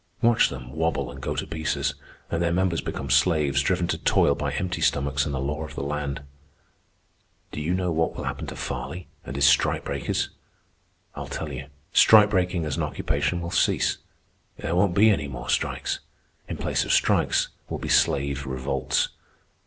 Watch them wobble and go to pieces, and their members become slaves driven to toil by empty stomachs and the law of the land. "Do you know what will happen to Farley and his strike breakers? I'll tell you. Strike breaking as an occupation will cease. There won't be any more strikes. In place of strikes will be slave revolts.